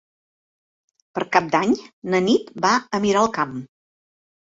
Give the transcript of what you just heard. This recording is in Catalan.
Per Cap d'Any na Nit va a Miralcamp.